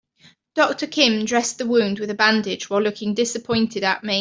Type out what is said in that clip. Doctor Kim dressed the wound with a bandage while looking disappointed at me.